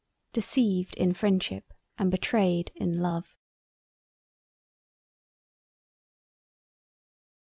"Deceived in Freindship and Betrayed in Love."